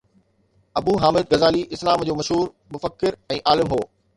ابو حامد غزالي اسلام جو مشهور مفڪر ۽ عالم هو